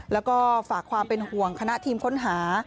แล้วก็ฝากความเป็นห่วงคณะทีมค้นหา